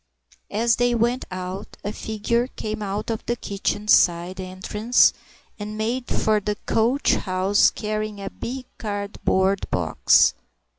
As they went out, a figure came out of the kitchen side entrance and made for the coach house, carrying a big cardboard box.